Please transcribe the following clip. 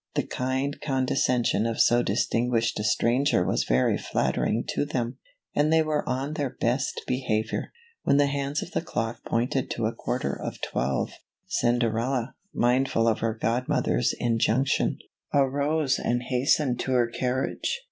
The kind condescension of so distin guished a stranger was very flattering to them, and they were on their best behavior. When the hands of the clock pointed to a quarter of twelve, Cinderella, mindful of her godmother's injunction, arose and hastened to her carriage.